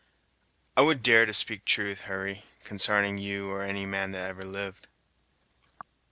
"I would dare to speak truth, Hurry, consarning you or any man that ever lived."